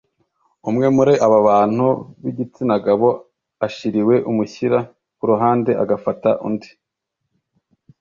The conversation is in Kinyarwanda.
Umwe muri aba bantu b’igitsinagabo ashiriwe amushyira ku ruhande agafata undi